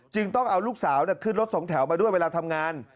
ต้องเอาลูกสาวขึ้นรถสองแถวมาด้วยเวลาทำงาน